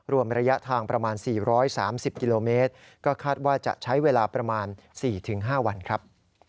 รวมระยะทางประมาณ๔๓๐กิโลเมตรก็คาดว่าจะใช้เวลาประมาณ๔๕วันครับ